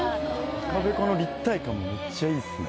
赤べこの立体感もめっちゃいいっすね。